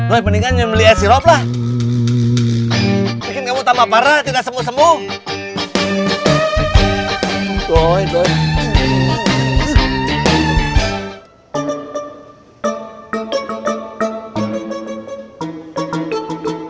woy mendingan nyembeli es sirop lah